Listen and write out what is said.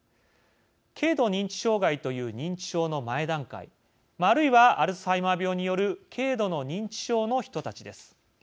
軽度認知障害という認知症の前段階あるいはアルツハイマー病による軽度の認知症の人たちです。